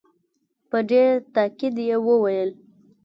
په ډېر تاءکید وویل.